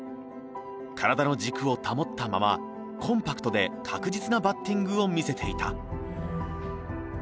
体の軸を保ったままコンパクトで確実なバッティングを見せていた。